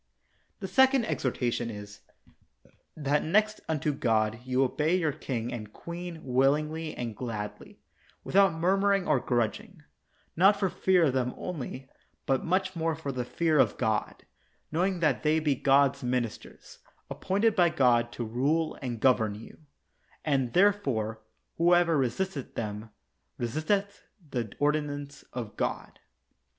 The second exhortation is : That next unto God you obey your king and queen willingly and gladly, without murmuring or grudging ; not for fear of them only, but much more for the fear of God, knowing that they be God's ministers, ap pointed by God to rule and govern you; and, therefore, whosoever resisteth them, resisteth the ordinance of God.